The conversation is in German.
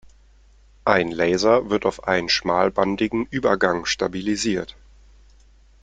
Ein Laser wird auf einen schmalbandigen Übergang stabilisiert.